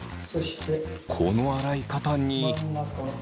この洗い方に。